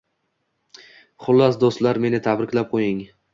Xullas dustlar meni tabriklab quying